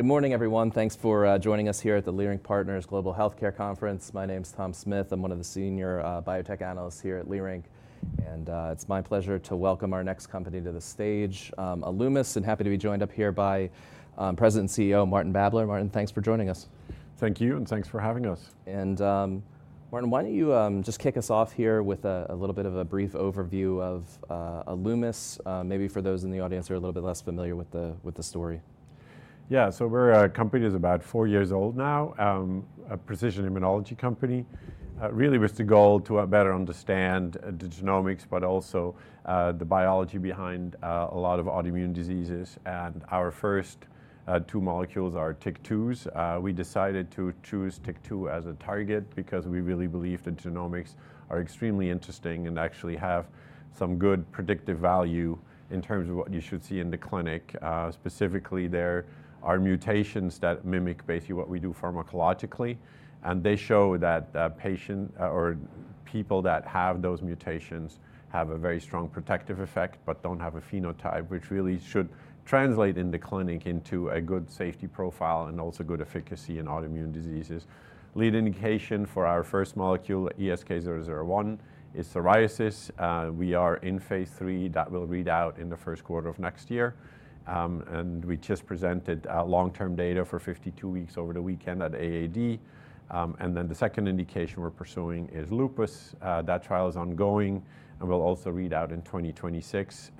Good morning, everyone. Thanks for joining us here at the Leerink Partners Global Healthcare Conference. My name is Tom Smith. I'm one of the senior biotech analysts here at Leerink. It's my pleasure to welcome our next company to the stage, Alumis, and happy to be joined up here by President and CEO Martin Babler. Martin, thanks for joining us. Thank you, and thanks for having us. Martin, why don't you just kick us off here with a little bit of a brief overview of Alumis, maybe for those in the audience who are a little bit less familiar with the story. Yeah, so we're a company that's about four years old now, a precision immunology company. Really, with the goal to better understand the genomics, but also the biology behind a lot of autoimmune diseases. And our first two molecules are TYK2s. We decided to choose TYK2 as a target because we really believe the genomics are extremely interesting and actually have some good predictive value in terms of what you should see in the clinic. Specifically, there are mutations that mimic basically what we do pharmacologically. And they show that patients or people that have those mutations have a very strong protective effect, but don't have a phenotype, which really should translate in the clinic into a good safety profile and also good efficacy in autoimmune diseases. Lead indication for our first molecule, ESK-001, is psoriasis. We are in Phase III that will read out in the first quarter of next year. We just presented long-term data for 52 weeks over the weekend at AAD. The second indication we're pursuing is lupus. That trial is ongoing and will also read out in 2026.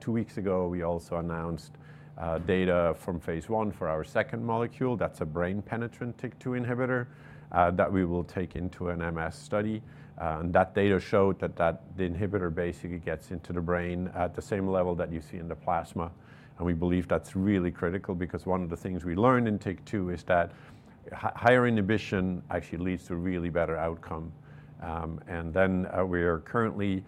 Two weeks ago, we also announced data from Phase I for our second molecule. That's a brain-penetrant TYK2 inhibitor that we will take into an MS study. That data showed that the inhibitor basically gets into the brain at the same level that you see in the plasma. We believe that's really critical because one of the things we learned in TYK2 is that higher inhibition actually leads to a really better outcome. We are currently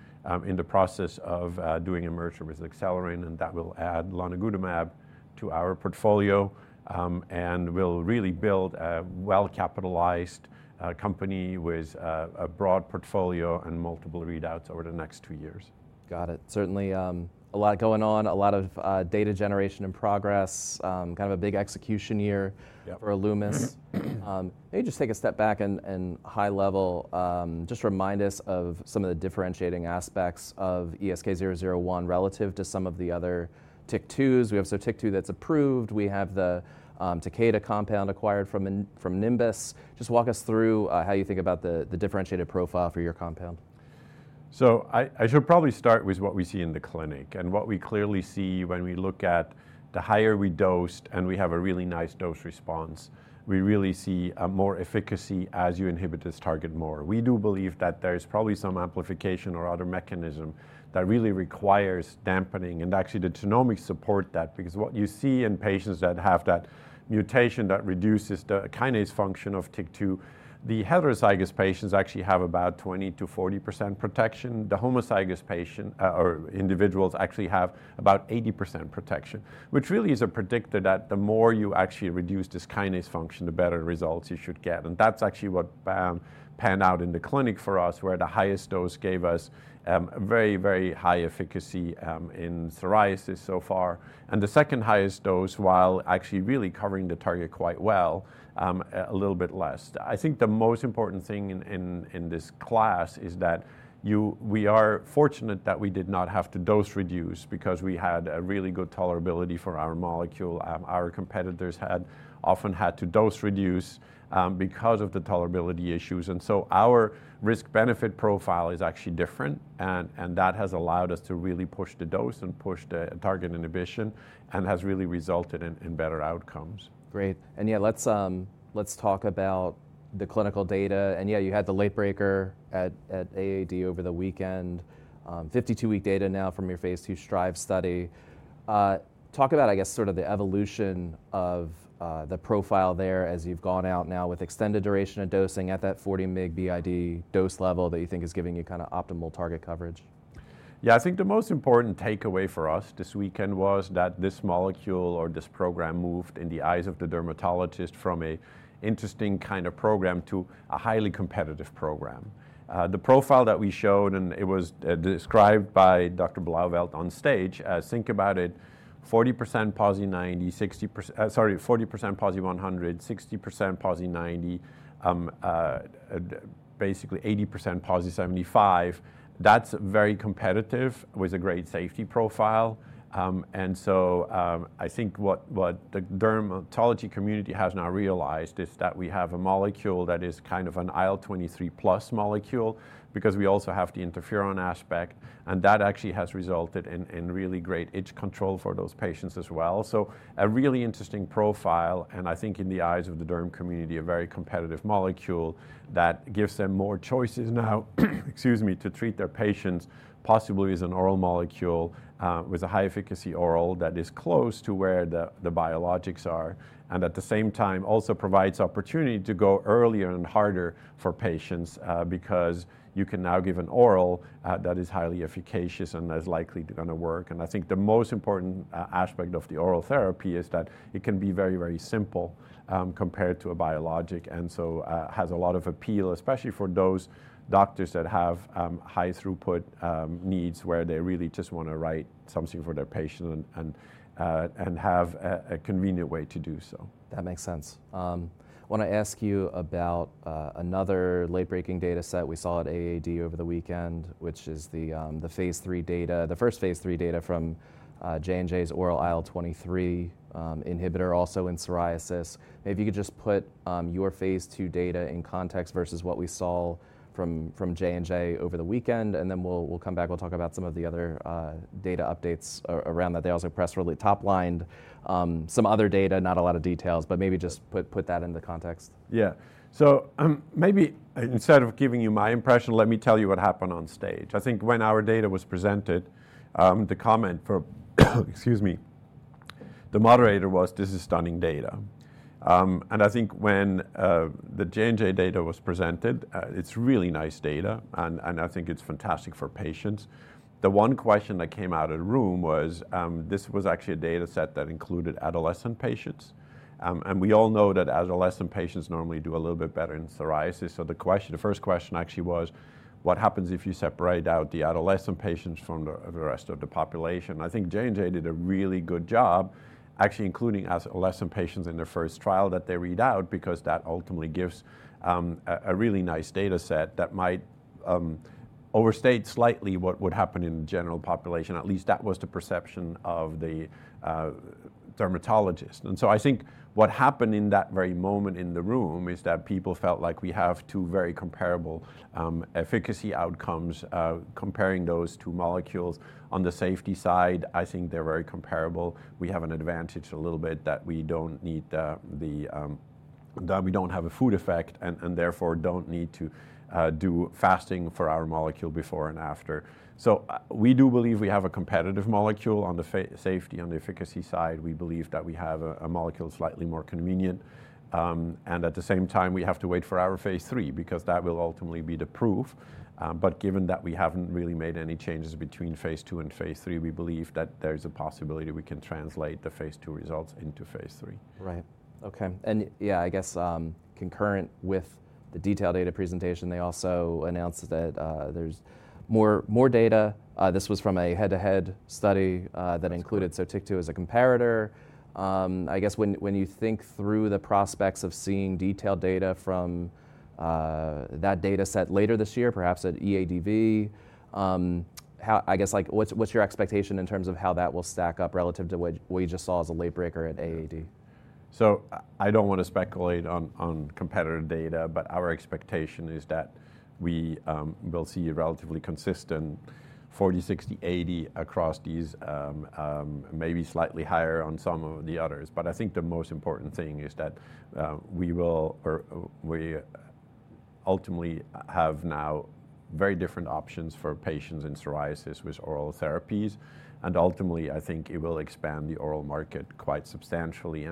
in the process of doing a merger with Xelora, and that will add lonigutamab to our portfolio. We will really build a well-capitalized company with a broad portfolio and multiple readouts over the next two years. Got it. Certainly a lot going on, a lot of data generation in progress, kind of a big execution year for Alumis. Maybe just take a step back and high level, just remind us of some of the differentiating aspects of ESK-001 relative to some of the other TYK2s. We have Sotyktu that's approved. We have the Takeda compound acquired from Nimbus. Just walk us through how you think about the differentiated profile for your compound. I should probably start with what we see in the clinic. What we clearly see when we look at the higher we dosed and we have a really nice dose response, we really see more efficacy as you inhibit this target more. We do believe that there's probably some amplification or other mechanism that really requires dampening. Actually, the genomics support that because what you see in patients that have that mutation that reduces the kinase function of TYK2, the heterozygous patients actually have about 20%-40% protection. The homozygous individuals actually have about 80% protection, which really is a predictor that the more you actually reduce this kinase function, the better results you should get. That's actually what panned out in the clinic for us, where the highest dose gave us very, very high efficacy in psoriasis so far. The second highest dose, while actually really covering the target quite well, a little bit less. I think the most important thing in this class is that we are fortunate that we did not have to dose reduce because we had a really good tolerability for our molecule. Our competitors often had to dose reduce because of the tolerability issues. Our risk-benefit profile is actually different. That has allowed us to really push the dose and push the target inhibition and has really resulted in better outcomes. Great. Yeah, let's talk about the clinical data. Yeah, you had the late breaker at AAD over the weekend, 52-week data now from your Phase II STRIVE study. Talk about, I guess, sort of the evolution of the profile there as you've gone out now with extended duration of dosing at that 40 mg BID dose level that you think is giving you kind of optimal target coverage. Yeah, I think the most important takeaway for us this weekend was that this molecule or this program moved in the eyes of the dermatologist from an interesting kind of program to a highly competitive program. The profile that we showed, and it was described by Dr. Blauvelt on stage, think about it, 40% PASI 100, 60% PASI 90, basically 80% PASI 75. That's very competitive with a great safety profile. I think what the dermatology community has now realized is that we have a molecule that is kind of an IL-23 plus molecule because we also have the interferon aspect. That actually has resulted in really great itch control for those patients as well. A really interesting profile, and I think in the eyes of the derm community, a very competitive molecule that gives them more choices now, excuse me, to treat their patients, possibly as an oral molecule with a high efficacy oral that is close to where the biologics are. At the same time, also provides opportunity to go earlier and harder for patients because you can now give an oral that is highly efficacious and is likely going to work. I think the most important aspect of the oral therapy is that it can be very, very simple compared to a biologic. It has a lot of appeal, especially for those doctors that have high throughput needs where they really just want to write something for their patient and have a convenient way to do so. That makes sense. I want to ask you about another late-breaking data set we saw at AAD over the weekend, which is the Phase III data, the first Phase III J&J's oral IL-23 inhibitor, also in psoriasis. Maybe you could just put your Phase II data in context versus J&J over the weekend. We will come back, we will talk about some of the other data updates around that. They also pressed really top lined some other data, not a lot of details, but maybe just put that into context. Yeah. Maybe instead of giving you my impression, let me tell you what happened on stage. I think when our data was presented, the comment for, excuse me, the moderator was, "This is stunning data." I think when the J&J data was presented, it's really nice data. I think it's fantastic for patients. The one question that came out of the room was, this was actually a data set that included adolescent patients. We all know that adolescent patients normally do a little bit better in psoriasis. The first question actually was, what happens if you separate out the adolescent patients from the rest of the population? J&J did a really good job, actually including adolescent patients in their first trial that they read out because that ultimately gives a really nice data set that might overstate slightly what would happen in the general population. At least that was the perception of the dermatologist. I think what happened in that very moment in the room is that people felt like we have two very comparable efficacy outcomes comparing those two molecules. On the safety side, I think they're very comparable. We have an advantage a little bit that we don't have a food effect and therefore don't need to do fasting for our molecule before and after. We do believe we have a competitive molecule on the safety and the efficacy side. We believe that we have a molecule slightly more convenient. At the same time, we have to wait for our Phase III because that will ultimately be the proof. Given that we haven't really made any changes between Phase II and Phase III we believe that there's a possibility we can translate the Phase II results into Phase III. Right. Okay. Yeah, I guess concurrent with the detailed data presentation, they also announced that there's more data. This was from a head-to-head study that included Sotyktu as a comparator. I guess when you think through the prospects of seeing detailed data from that data set later this year, perhaps at EADV, I guess what's your expectation in terms of how that will stack up relative to what you just saw as a late breaker at AAD? I don't want to speculate on competitor data, but our expectation is that we will see a relatively consistent 40, 60, 80 across these, maybe slightly higher on some of the others. I think the most important thing is that we will ultimately have now very different options for patients in psoriasis with oral therapies. Ultimately, I think it will expand the oral market quite substantially.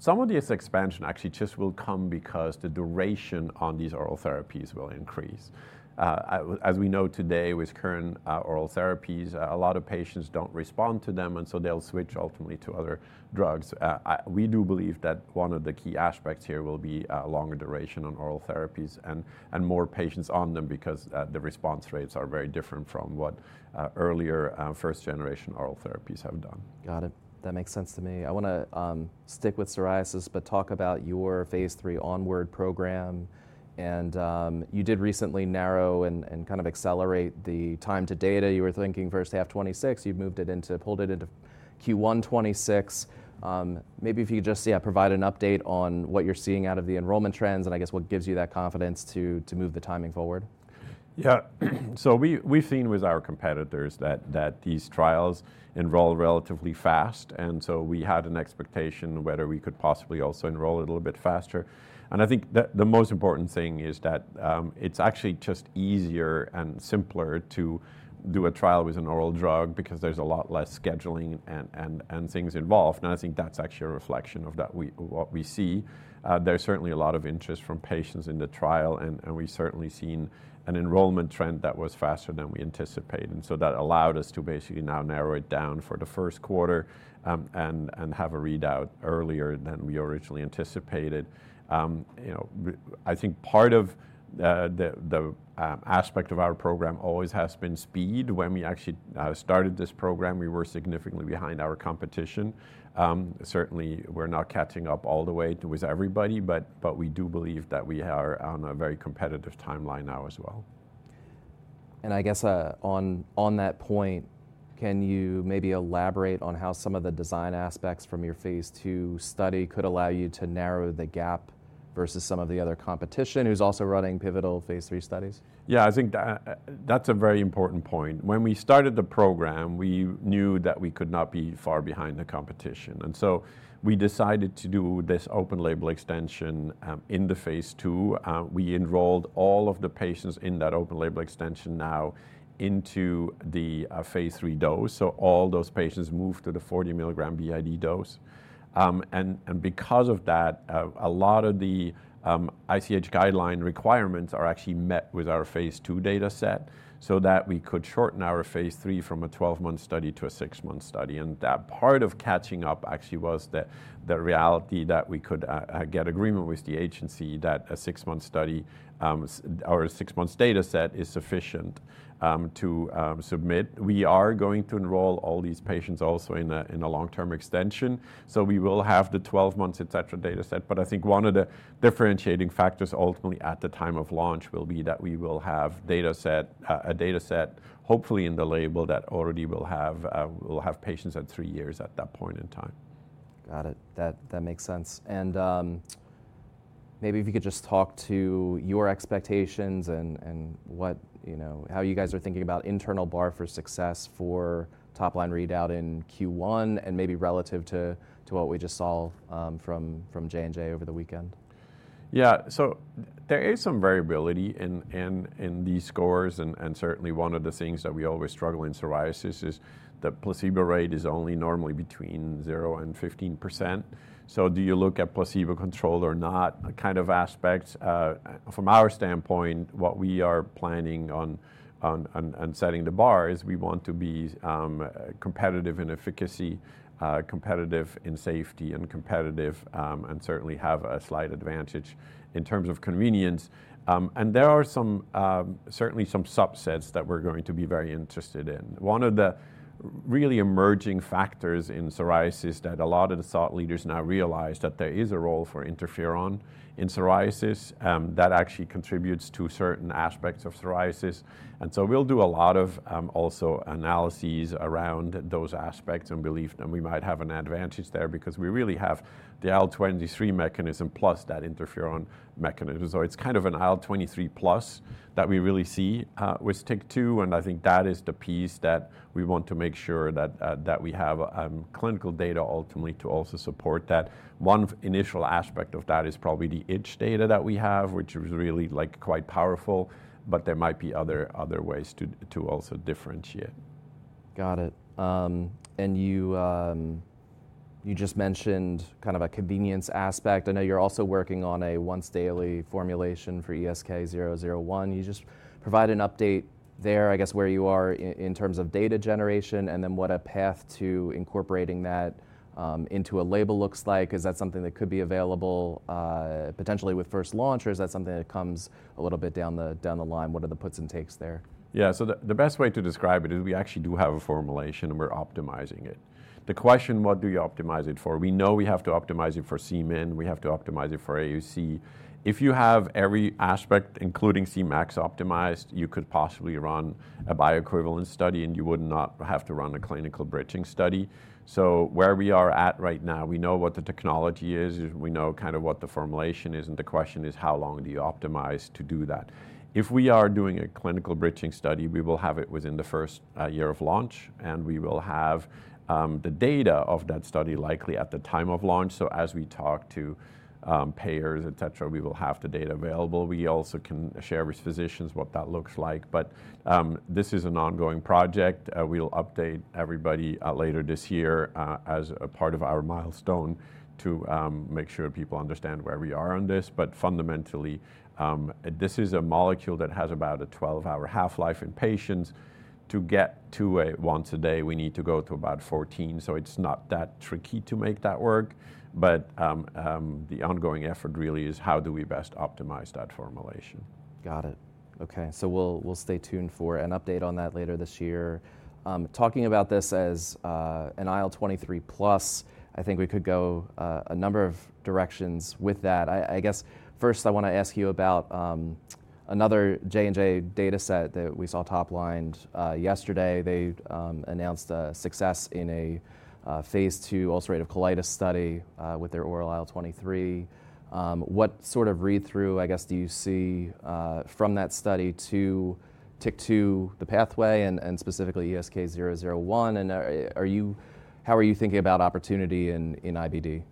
Some of this expansion actually just will come because the duration on these oral therapies will increase. As we know today with current oral therapies, a lot of patients don't respond to them, and so they'll switch ultimately to other drugs. We do believe that one of the key aspects here will be a longer duration on oral therapies and more patients on them because the response rates are very different from what earlier first-generation oral therapies have done. Got it. That makes sense to me. I want to stick with psoriasis, but talk about your Phase III onward program. You did recently narrow and kind of accelerate the time to data. You were thinking first half 2026, you've moved it into, pulled it into Q1 2026. Maybe if you could just provide an update on what you're seeing out of the enrollment trends and I guess what gives you that confidence to move the timing forward. Yeah. We have seen with our competitors that these trials enroll relatively fast. We had an expectation whether we could possibly also enroll a little bit faster. I think the most important thing is that it is actually just easier and simpler to do a trial with an oral drug because there is a lot less scheduling and things involved. I think that is actually a reflection of what we see. There is certainly a lot of interest from patients in the trial, and we have certainly seen an enrollment trend that was faster than we anticipated. That allowed us to basically now narrow it down for the first quarter and have a readout earlier than we originally anticipated. I think part of the aspect of our program always has been speed. When we actually started this program, we were significantly behind our competition. Certainly, we're not catching up all the way with everybody, but we do believe that we are on a very competitive timeline now as well. I guess on that point, can you maybe elaborate on how some of the design aspects from your Phase II study could allow you to narrow the gap versus some of the other competition who's also running pivotal Phase III studies? Yeah, I think that's a very important point. When we started the program, we knew that we could not be far behind the competition. We decided to do this open label extension in the Phase II. We enrolled all of the patients in that open label extension now into the Phase III dose. All those patients moved to the 40 mg BID dose. Because of that, a lot of the ICH guideline requirements are actually met with our Phase II data set so that we could shorten our Phase III from a 12-month study to a six-month study. That part of catching up actually was the reality that we could get agreement with the agency that a six-month study or a six-month data set is sufficient to submit. We are going to enroll all these patients also in a long-term extension. We will have the 12-month, et cetera, data set. I think one of the differentiating factors ultimately at the time of launch will be that we will have a data set, hopefully in the label, that already will have patients at three years at that point in time. Got it. That makes sense. Maybe if you could just talk to your expectations and how you guys are thinking about internal bar for success for top line readout in Q1 and maybe relative to what J&J over the weekend. Yeah. There is some variability in these scores. Certainly, one of the things that we always struggle in psoriasis is the placebo rate is normally between 0% and 15%. Do you look at placebo control or not kind of aspects? From our standpoint, what we are planning on setting the bar is we want to be competitive in efficacy, competitive in safety, and competitive, and certainly have a slight advantage in terms of convenience. There are certainly some subsets that we're going to be very interested in. One of the really emerging factors in psoriasis that a lot of the thought leaders now realize is that there is a role for interferon in psoriasis that actually contributes to certain aspects of psoriasis. We will do a lot of also analyses around those aspects and believe that we might have an advantage there because we really have the IL-23 mechanism plus that interferon mechanism. It is kind of an IL-23 plus that we really see with TYK2. I think that is the piece that we want to make sure that we have clinical data ultimately to also support that. One initial aspect of that is probably the itch data that we have, which is really quite powerful, but there might be other ways to also differentiate. Got it. You just mentioned kind of a convenience aspect. I know you're also working on a once-daily formulation for ESK-001. You just provide an update there, I guess, where you are in terms of data generation and then what a path to incorporating that into a label looks like. Is that something that could be available potentially with first launch, or is that something that comes a little bit down the line? What are the puts and takes there? Yeah. So the best way to describe it is we actually do have a formulation and we're optimizing it. The question, what do you optimize it for? We know we have to optimize it for Cmin. We have to optimize it for AUC. If you have every aspect, including Cmax optimized, you could possibly run a bioequivalent study and you would not have to run a clinical bridging study. Where we are at right now, we know what the technology is, we know kind of what the formulation is, and the question is how long do you optimize to do that? If we are doing a clinical bridging study, we will have it within the first year of launch, and we will have the data of that study likely at the time of launch. As we talk to payers, et cetera, we will have the data available. We also can share with physicians what that looks like. This is an ongoing project. We'll update everybody later this year as a part of our milestone to make sure people understand where we are on this. Fundamentally, this is a molecule that has about a 12-hour half-life in patients. To get to a once a day, we need to go to about 14. It is not that tricky to make that work. The ongoing effort really is how do we best optimize that formulation. Got it. Okay. We'll stay tuned for an update on that later this year. Talking about this as an IL-23 plus, I think we could go a number of directions with that. I guess first I want to J&J data set that we saw top lined yesterday. They announced a success in a Phase II ulcerative colitis study with their oral IL-23. What sort of read-through, I guess, do you see from that study to TYK2, the pathway, and specifically ESK-001? And how are you thinking about opportunity in IBD?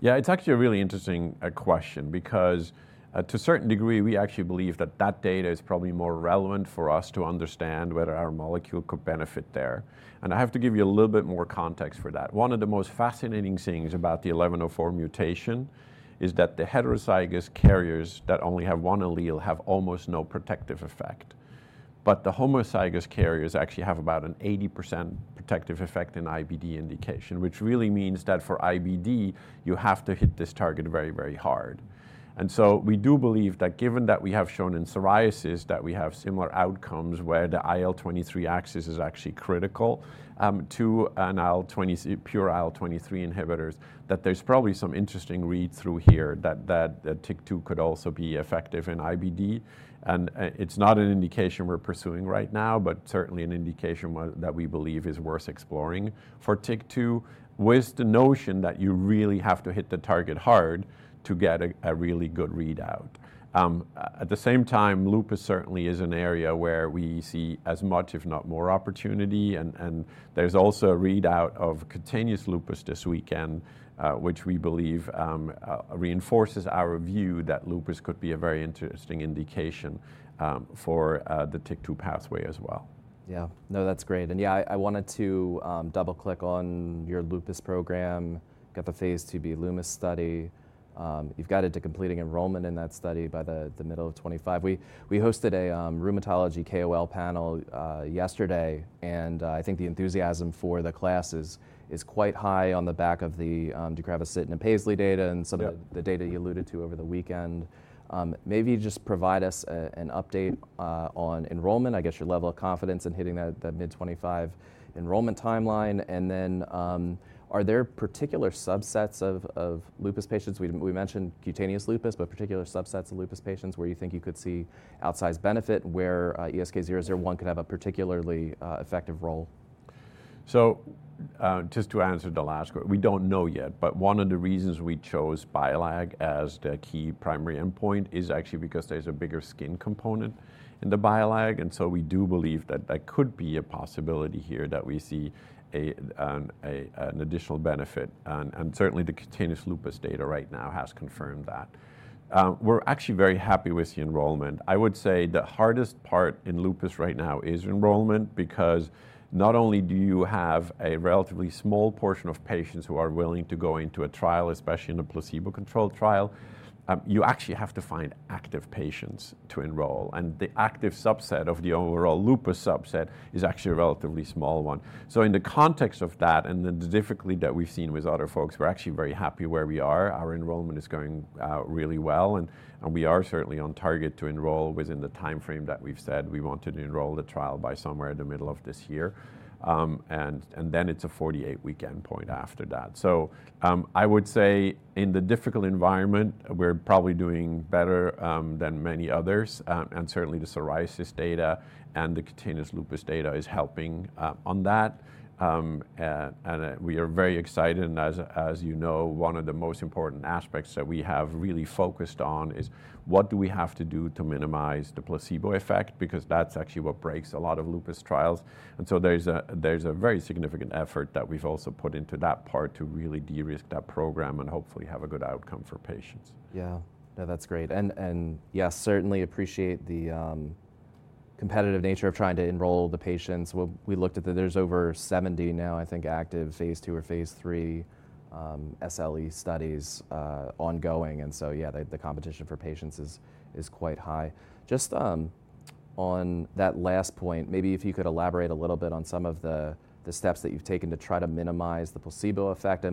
Yeah, it's actually a really interesting question because to a certain degree, we actually believe that that data is probably more relevant for us to understand whether our molecule could benefit there. I have to give you a little bit more context for that. One of the most fascinating things about the 1104 mutation is that the heterozygous carriers that only have one allele have almost no protective effect. The homozygous carriers actually have about an 80% protective effect in IBD indication, which really means that for IBD, you have to hit this target very, very hard. We do believe that given that we have shown in psoriasis that we have similar outcomes where the IL-23 axis is actually critical to pure IL-23 inhibitors, there's probably some interesting read-through here that TYK2 could also be effective in IBD. It is not an indication we're pursuing right now, but certainly an indication that we believe is worth exploring for TYK2 with the notion that you really have to hit the target hard to get a really good readout. At the same time, lupus certainly is an area where we see as much, if not more opportunity. There is also a readout of cutaneous lupus this weekend, which we believe reinforces our view that lupus could be a very interesting indication for the TYK2 pathway as well. Yeah. No, that's great. Yeah, I wanted to double-click on your lupus program, got the Phase II Alumis study. You've got it to completing enrollment in that study by the middle of 2025. We hosted a rheumatology KOL panel yesterday, and I think the enthusiasm for the class is quite high on the back of the deucravacitinib and PAISLEY data and some of the data you alluded to over the weekend. Maybe you just provide us an update on enrollment, I guess your level of confidence in hitting that mid-2025 enrollment timeline. Are there particular subsets of lupus patients? We mentioned cutaneous lupus, but particular subsets of lupus patients where you think you could see outsized benefit where ESK-001 could have a particularly effective role? Just to answer the last question, we do not know yet, but one of the reasons we chose BILAG as the key primary endpoint is actually because there is a bigger skin component in the BILAG. We do believe that that could be a possibility here that we see an additional benefit. Certainly, the cutaneous lupus data right now has confirmed that. We are actually very happy with the enrollment. I would say the hardest part in lupus right now is enrollment because not only do you have a relatively small portion of patients who are willing to go into a trial, especially in a placebo-controlled trial, you actually have to find active patients to enroll. The active subset of the overall lupus subset is actually a relatively small one. In the context of that and the difficulty that we've seen with other folks, we're actually very happy where we are. Our enrollment is going really well, and we are certainly on target to enroll within the timeframe that we've said we wanted to enroll the trial by somewhere in the middle of this year. It is a 48-week endpoint after that. I would say in the difficult environment, we're probably doing better than many others. Certainly, the psoriasis data and the cutaneous lupus data is helping on that. We are very excited. As you know, one of the most important aspects that we have really focused on is what do we have to do to minimize the placebo effect because that's actually what breaks a lot of lupus trials. There is a very significant effort that we've also put into that part to really de-risk that program and hopefully have a good outcome for patients. Yeah. No, that's great. Yeah, certainly appreciate the competitive nature of trying to enroll the patients. We looked at that there's over 70 now, I think, active Phase II or Phase III SLE studies ongoing. Yeah, the competition for patients is quite high. Just on that last point, maybe if you could elaborate a little bit on some of the steps that you've taken to try to minimize the placebo effect.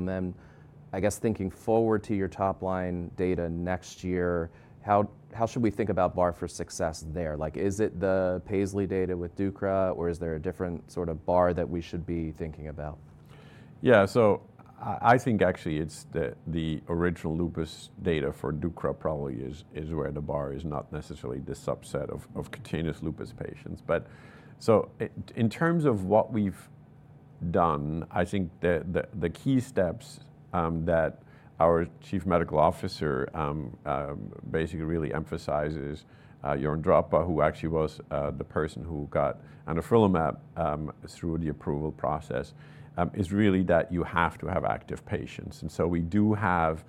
I guess thinking forward to your top line data next year, how should we think about bar for success there? Is it the PAISLEY data with DUCRA, or is there a different sort of bar that we should be thinking about? Yeah. I think actually it's the original lupus data for DUCRA probably is where the bar is, not necessarily the subset of cutaneous lupus patients. In terms of what we've done, I think the key steps that our Chief Medical Officer basically really emphasizes, Jörn Drappa, who actually was the person who got anifrolumab through the approval process, is really that you have to have active patients. We do have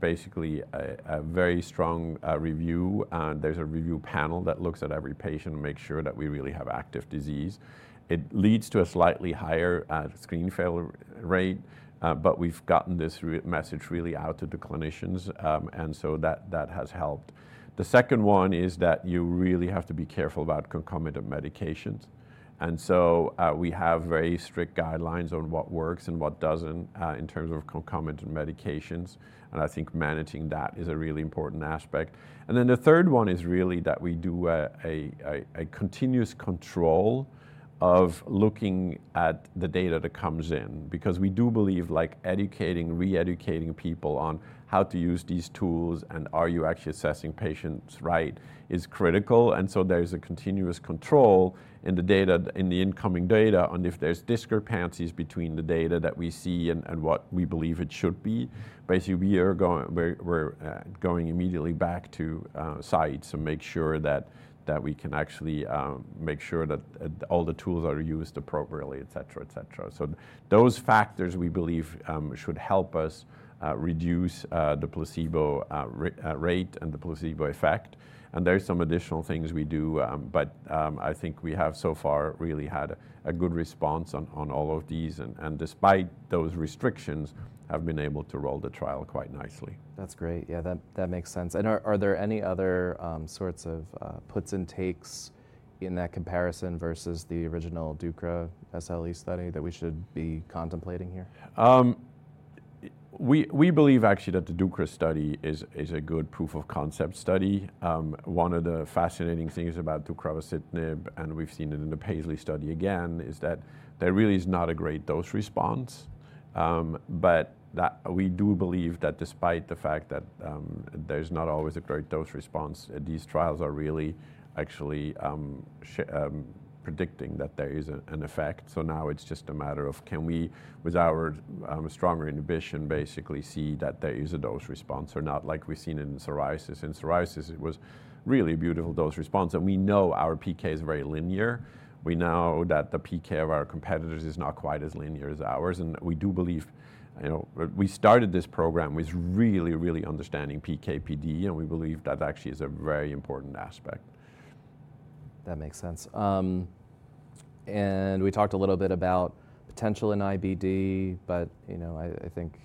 basically a very strong review. There's a review panel that looks at every patient and makes sure that we really have active disease. It leads to a slightly higher screen failure rate, but we've gotten this message really out to the clinicians. That has helped. The second one is that you really have to be careful about concomitant medications. We have very strict guidelines on what works and what does not in terms of concomitant medications. I think managing that is a really important aspect. The third one is really that we do a continuous control of looking at the data that comes in because we do believe educating, re-educating people on how to use these tools and are you actually assessing patients right is critical. There is a continuous control in the incoming data on if there are discrepancies between the data that we see and what we believe it should be. Basically, we are going immediately back to sites and make sure that we can actually make sure that all the tools are used appropriately, et cetera, et cetera. Those factors we believe should help us reduce the placebo rate and the placebo effect. There are some additional things we do, but I think we have so far really had a good response on all of these. Despite those restrictions, we have been able to roll the trial quite nicely. That's great. Yeah, that makes sense. Are there any other sorts of puts and takes in that comparison versus the original DUCRA SLE study that we should be contemplating here? We believe actually that the DUCRA study is a good proof of concept study. One of the fascinating things about deucravacitinib, and we've seen it in the PAISLEY study again, is that there really is not a great dose response. We do believe that despite the fact that there's not always a great dose response, these trials are really actually predicting that there is an effect. Now it's just a matter of can we, with our stronger inhibition, basically see that there is a dose response or not like we've seen in psoriasis. In psoriasis, it was really a beautiful dose response. We know our PK is very linear. We know that the PK of our competitors is not quite as linear as ours. We do believe we started this program with really, really understanding PK/PD, and we believe that actually is a very important aspect. That makes sense. We talked a little bit about potential in IBD, but I think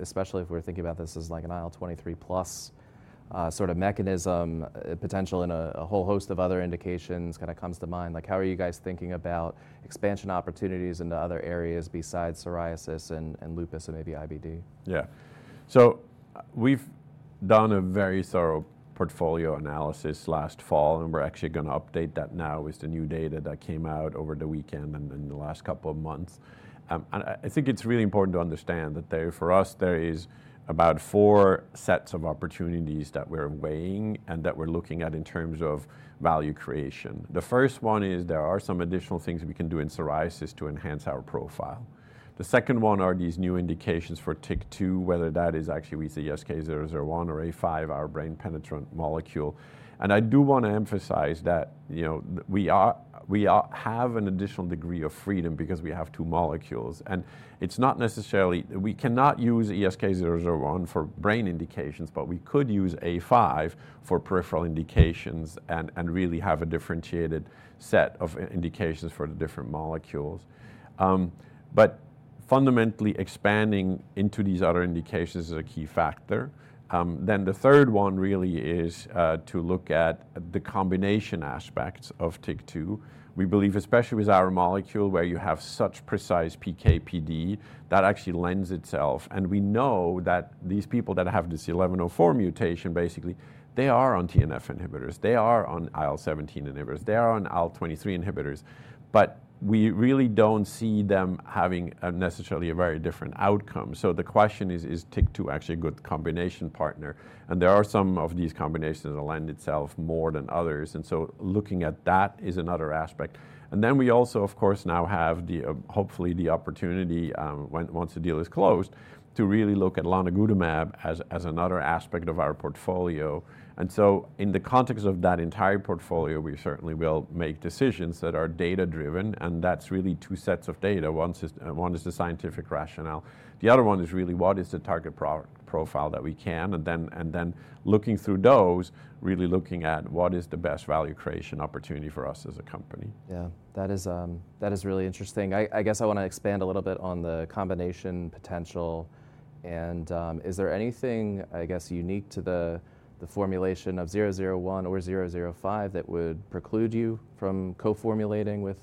especially if we're thinking about this as like an IL-23 plus sort of mechanism, potential in a whole host of other indications kind of comes to mind. Like how are you guys thinking about expansion opportunities into other areas besides psoriasis and lupus and maybe IBD? Yeah. So we've done a very thorough portfolio analysis last fall, and we're actually going to update that now with the new data that came out over the weekend and in the last couple of months. I think it's really important to understand that for us, there are about four sets of opportunities that we're weighing and that we're looking at in terms of value creation. The first one is there are some additional things we can do in psoriasis to enhance our profile. The second one are these new indications for TYK2, whether that is actually with the ESK-001 or A-005, our brain penetrant molecule. And I do want to emphasize that we have an additional degree of freedom because we have two molecules. It is not necessarily that we cannot use ESK-001 for brain indications, but we could use A-005 for peripheral indications and really have a differentiated set of indications for the different molecules. Fundamentally, expanding into these other indications is a key factor. The third one really is to look at the combination aspects of TYK2. We believe, especially with our molecule where you have such precise PK/PD, that actually lends itself. We know that these people that have this 1104 mutation, basically, they are on TNF inhibitors. They are on IL-17 inhibitors. They are on IL-23 inhibitors. We really do not see them having necessarily a very different outcome. The question is, is TYK2 actually a good combination partner? There are some of these combinations that lend itself more than others. Looking at that is another aspect. We also, of course, now have hopefully the opportunity, once the deal is closed, to really look at lonigutamab as another aspect of our portfolio. In the context of that entire portfolio, we certainly will make decisions that are data-driven. That is really two sets of data. One is the scientific rationale. The other one is really what is the target profile that we can? Looking through those, really looking at what is the best value creation opportunity for us as a company. Yeah, that is really interesting. I guess I want to expand a little bit on the combination potential. I guess, is there anything unique to the formulation of 001 or 005 that would preclude you from co-formulating with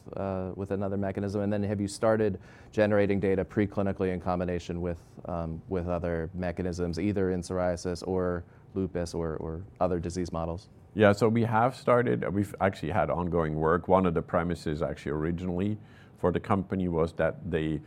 another mechanism? Have you started generating data preclinically in combination with other mechanisms, either in psoriasis or lupus or other disease models? Yeah, we have started. We've actually had ongoing work. One of the premises actually originally for the company was that the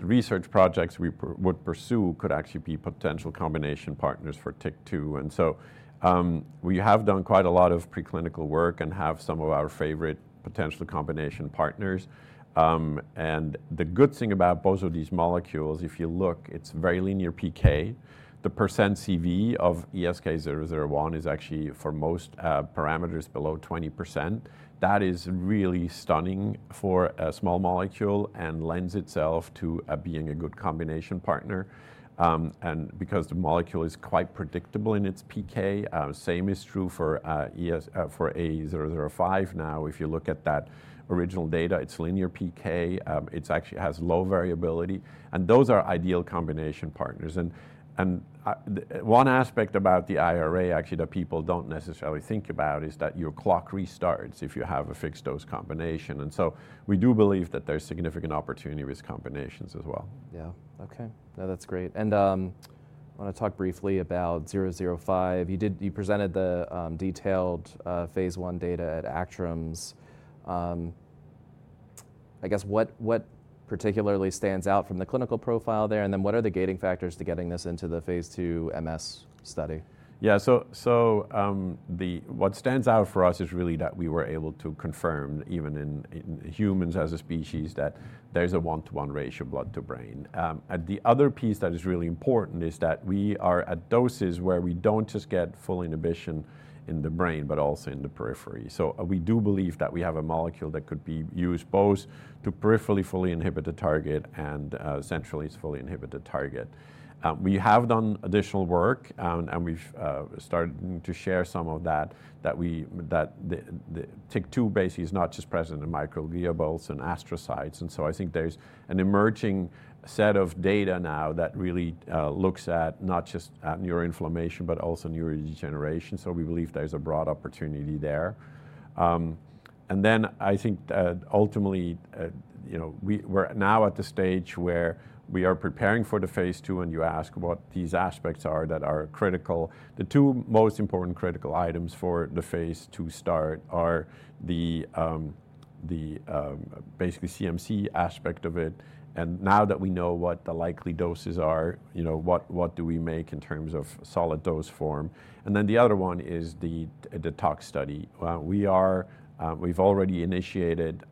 research projects we would pursue could actually be potential combination partners for TYK2. We have done quite a lot of preclinical work and have some of our favorite potential combination partners. The good thing about both of these molecules, if you look, is it's very linear PK. The % CV of ESK-001 is actually for most parameters below 20%. That is really stunning for a small molecule and lends itself to being a good combination partner. Because the molecule is quite predictable in its PK, the same is true for A-005. If you look at that original data, it's linear PK. It actually has low variability. Those are ideal combination partners. One aspect about the IRA actually that people do not necessarily think about is that your clock restarts if you have a fixed dose combination. We do believe that there is significant opportunity with combinations as well. Yeah. Okay. No, that's great. I want to talk briefly about 005. You presented the detailed Phase I data at ACTRIMS. I guess what particularly stands out from the clinical profile there? What are the gating factors to getting this into the Phase II MS study? Yeah. What stands out for us is really that we were able to confirm even in humans as a species that there's a one-to-one ratio blood to brain. The other piece that is really important is that we are at doses where we don't just get full inhibition in the brain, but also in the periphery. We do believe that we have a molecule that could be used both to peripherally fully inhibit the target and centrally fully inhibit the target. We have done additional work, and we've started to share some of that, that TYK2 basically is not just present in microglia, B cells and astrocytes. I think there's an emerging set of data now that really looks at not just neuroinflammation, but also neurodegeneration. We believe there's a broad opportunity there. I think ultimately we're now at the stage where we are preparing for the Phase II. You ask what these aspects are that are critical. The two most important critical items for the Phase II start are basically the CMC aspect of it. Now that we know what the likely doses are, what do we make in terms of solid dose form? The other one is the tox study. We've already initiated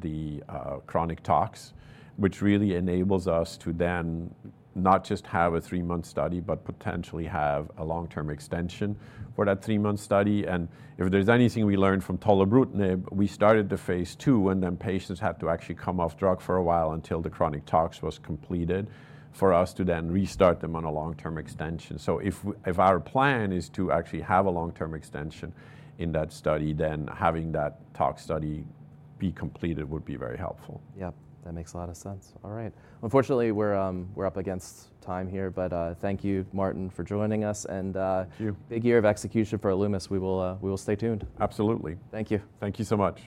the chronic tox, which really enables us to then not just have a three-month study, but potentially have a long-term extension for that three-month study. If there's anything we learned from tolebrutinib, we started the Phase II and then patients had to actually come off drug for a while until the chronic tox was completed for us to then restart them on a long-term extension. If our plan is to actually have a long-term extension in that study, then having that tox study be completed would be very helpful. Yeah, that makes a lot of sense. All right. Unfortunately, we're up against time here, but thank you, Martin, for joining us. Big year of execution for Alumis. We will stay tuned. Absolutely. Thank you. Thank you so much.